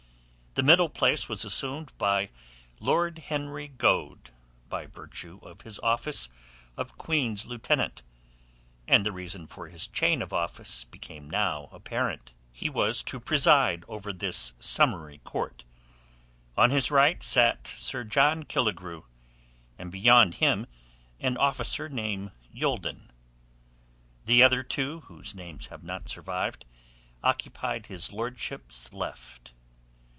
The middle place was assumed by Lord Henry Goade by virtue of his office of Queen's Lieutenant, and the reason for his chain of office became now apparent. He was to preside over this summary court. On his right sat Sir John Killigrew, and beyond him an officer named Youldon. The other two, whose names have not survived, occupied his lordship's left.